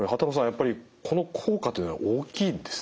やっぱりこの効果っていうのは大きいんですね。